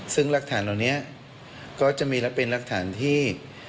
ซึ่งรักฐานเหล่านี้ก็จะมีและเป็นรักฐานที่